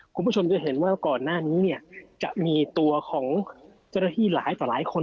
คุณผู้ชมจะเห็นว่าก่อนหน้านี้เนี่ยจะมีตัวของเจ้าหน้าที่หลายต่อหลายคน